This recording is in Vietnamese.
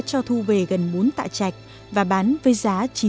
cho thu về gần bốn tạ chạch và bán với giá